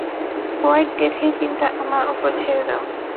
White ডেথের চিন্তা আমার ওপর ছেড়ে দাও।